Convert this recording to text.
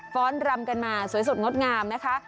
้อนรำกันมาสวยสดงดงามนะคะ